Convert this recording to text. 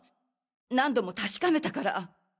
何度も確かめたから！